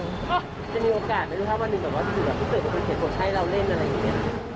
ก็จะมีโอกาสไหมลูกถ้าวันหนึ่งแบบว่าพี่เกิดเป็นคนเขียนบทให้เราเล่นอะไรอย่างนี้